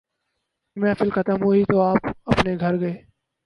محفل ختم ہوئی تو آپ اپنے گھر گئے۔